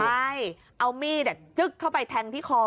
ใช่เอามีดจึ๊กเข้าไปแทงที่คอ